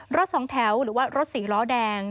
รถสองแถวหรือว่ารถสี่ล้อแดง